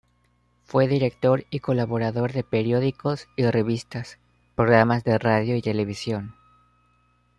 Fue director y colaborador de periódicos y revistas, programas de radio y televisión.